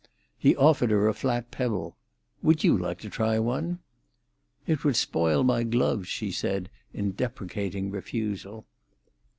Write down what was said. He offered her a flat pebble. "Would you like to try one?" "It would spoil my gloves," she said, in deprecating refusal.